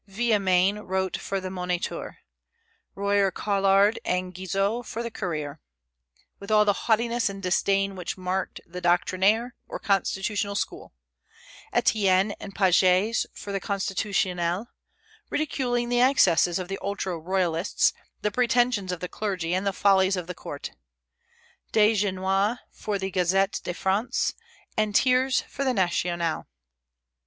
Villemain wrote for the "Moniteur," Royer Collard and Guizot for the "Courier," with all the haughtiness and disdain which marked the Doctrinaire or Constitutional school; Etienne and Pagès for the "Constitutionel," ridiculing the excesses of the ultra royalists, the pretensions of the clergy, and the follies of the court; De Genoude for the "Gazette de France," and Thiers for the "National."